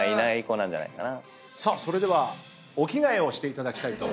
さあそれではお着替えをしていただきたいと。